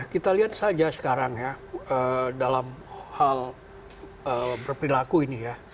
kita lihat saja sekarang ya dalam hal berperilaku ini ya